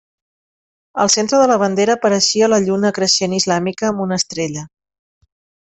Al centre de la bandera apareixia la lluna creixent islàmica amb una estrella.